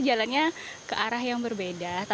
dan ya ini tempat yang bagus